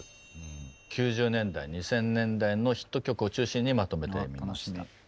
９０年代２０００年代のヒット曲を中心にまとめてみました。